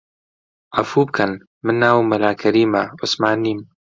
عەفوو بکەن من ناوم مەلا کەریمە، عوسمان نیم